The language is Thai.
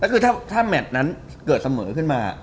ก็คือถ้าแมทนั้นเกิดเสมอขึ้นมา